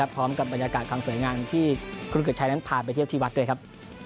พร้อมกับบรรยากาศความสวยงามที่คุณเกิดชัยนั้นพาไปเที่ยวที่วัดด้วยครับ